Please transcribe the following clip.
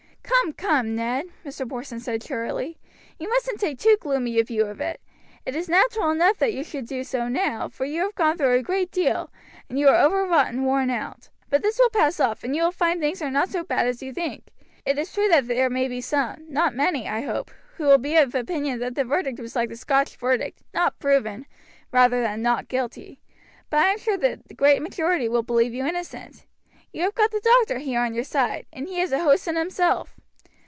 "Come, come, Ned," Mr. Porson said cheerily, "you mustn't take too gloomy a view of it. It is natural enough that you should do so now, for you have gone through a great deal, and you are overwrought and worn out; but this will pass off, and you will find things are not as bad as you think. It is true that there may be some, not many, I hope, who will be of opinion that the verdict was like the Scotch verdict 'Not Proven,' rather than 'Not Guilty;' but I am sure the great majority will believe you innocent. You have got the doctor here on your side, and he is a host in himself.